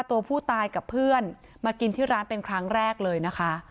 ตัวผู้ตายกับเพื่อนมากินที่ร้านเป็นครั้งแรกเลยนะคะ